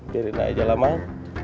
biarin aja lah mang